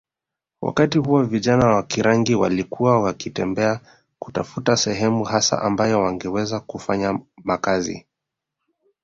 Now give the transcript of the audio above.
wakati huo vijana wa Kirangi walikuwa wakitembea kutafuta sehemu hasa ambayo wangeweza kufanya makazi